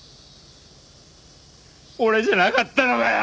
俺じゃなかったのかよ！